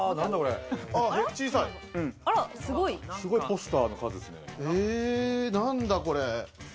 すごいポスターの数ですね。